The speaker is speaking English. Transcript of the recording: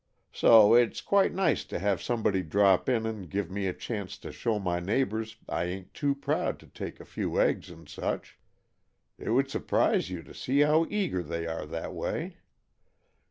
So it's quite nice to have somebody drop in and give me a chance to show my neighbors I ain't too proud to take a few eggs and such. It would surprise you to see how eager they are that way."